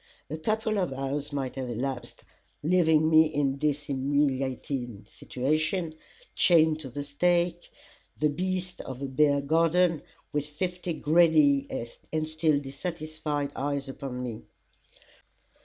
A couple of hours might have elapsed leaving me in this humiliating situation, chained to the stake, the beast of a bear garden, with fifty greedy and still dissatisfied eyes upon me.